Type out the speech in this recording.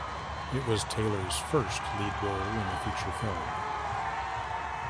It was Taylor's first lead role in a feature film.